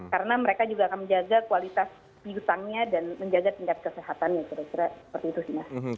karena mereka juga akan menjaga kualitas biutangnya dan menjaga tingkat kesehatannya kira kira seperti itu sih mas